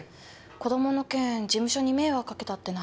子供の件事務所に迷惑かけたって悩んでたからな。